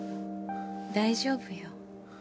大丈夫よ。